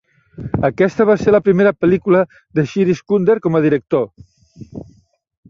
Aquesta va ser la primera pel·lícula de Shirish Kunder com a director.